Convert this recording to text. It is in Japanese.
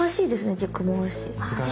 軸回し。